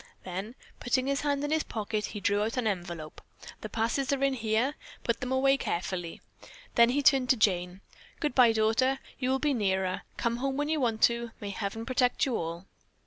Then putting his hand in his pocket, he drew out an envelope. "The passes are in here. Put them away carefully." Then he turned to Jane. "Goodbye, daughter. You will be nearer. Come home when you want to. May heaven protect you all."